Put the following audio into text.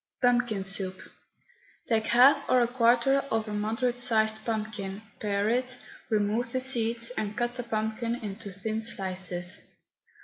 PUMPKIN SOUP. Take half or a quarter of a moderate sized pumpkin, pare it, remove the seeds, and cut the pumpkin into thin slices.